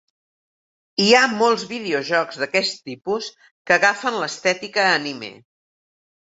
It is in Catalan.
Hi ha molts videojocs d'aquest tipus que agafen l'estètica anime.